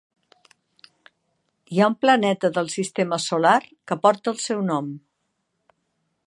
Hi ha un planeta del sistema solar que porta el seu nom.